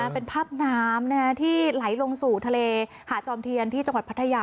เป็นภาพน้ำที่ไหลลงสู่ทะเลหาดจอมเทียนที่จังหวัดพัทยา